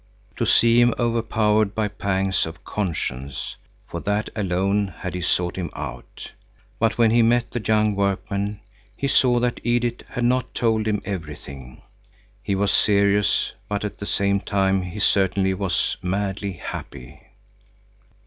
To see him overpowered by pangs of conscience, for that alone had he sought him out. But when he met the young workman, he saw that Edith had not told him everything. He was serious, but at the same time he certainly was madly happy.